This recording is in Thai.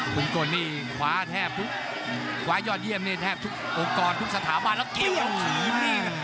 คุณกลนี่ขวาแทบทุกขวายอดเยี่ยมนี่แทบทุกองค์กรทุกสถาบันแล้วเกลียดออกขึ้นอยู่นี่